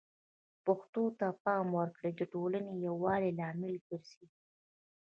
پښتو ته د پام ورکول د ټولنې د یووالي لامل ګرځي.